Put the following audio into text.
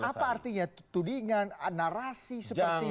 terus apa artinya tudingan narasi seperti yang itu